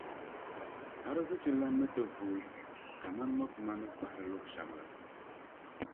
arzichilana ni ti vuui kaman mɔpuma ni kpahiri luri shɛm la.